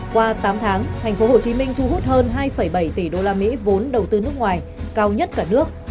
qua tám tháng tp hcm thu hút hơn hai bảy tỷ usd vốn đầu tư nước ngoài cao nhất cả nước